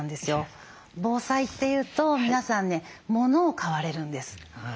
防災っていうと皆さんねものを買われるんです。